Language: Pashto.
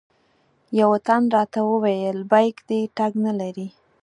یوه تن راته وویل بیک دې ټګ نه لري.